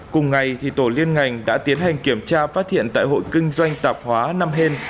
cùng ngày tổ liên ngành đã tiến hành kiểm tra phát hiện tại hội kinh doanh tạp hóa năm hen